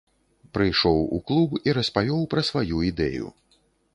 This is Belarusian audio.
Прыйшоў у клуб і распавёў пра сваю ідэю.